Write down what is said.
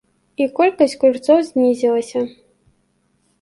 І колькасць курцоў знізілася.